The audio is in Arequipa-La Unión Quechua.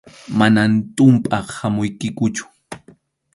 Manam tumpaq hamuykikuchu.